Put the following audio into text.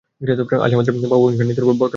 আজ তোমার বাবা অহিংস নীতির বরখেলাপ করেছে।